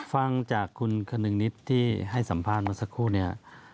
ฟังจากคุณคณึงนิดที่ให้สัมภารมาสักครู่นี้